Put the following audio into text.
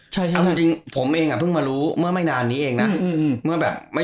จริงผมเองพึ่งมารู้เมื่อไม่นานนี้เองนะ